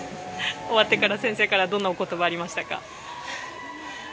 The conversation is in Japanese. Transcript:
終わってから先生からどんなお言葉、ありましたか？